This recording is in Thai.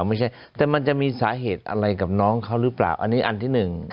ไม่ใช่แต่มันจะมีสาเหตุอะไรกับน้องเขาหรือเปล่าอันนี้อันที่หนึ่ง